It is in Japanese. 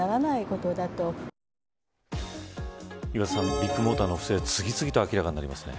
ビッグモーターの不正が次々と明らかになりますね。